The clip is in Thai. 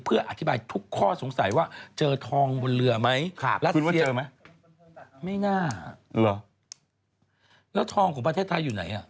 เพื่ออธิบายทุกข้อสงสัยว่าเจอทองบนเรือไหมรัสเซียเจอไหมไม่น่าเหรอแล้วทองของประเทศไทยอยู่ไหนอ่ะ